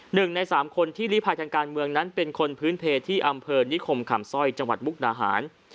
หนึ่งในสามคนที่ลีภัยทางการเมืองนั้นเป็นคนพื้นเพที่อำเภอนิคมคำสร้อยจังหวัดมุกนาหาร